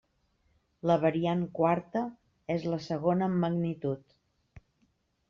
La variant quarta és la segona en magnitud.